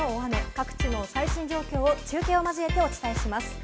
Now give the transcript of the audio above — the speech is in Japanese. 各地の最新状況を中継を交えてお伝えします。